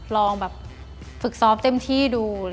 ลองแบบฝึกซ้อมเต็มที่ดู